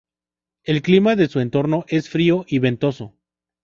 El clima de su entorno es frío, y ventoso.